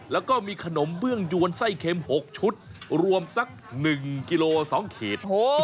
แล้วก็มีขนมเบื้องยวนไส้เค็ม๖ชุดรวมสัก๑กิโล๒เขต